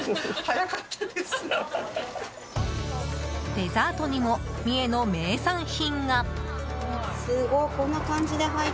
デザートにも三重の名産品が！